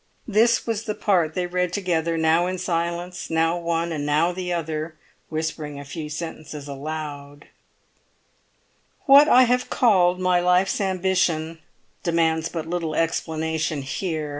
This was the part they read together, now in silence, now one and now the other whispering a few sentences aloud:—. "What I have called my life's ambition demands but little explanation here.